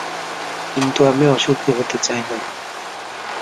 কিন্তু আমি অসুখী হতে চাই না!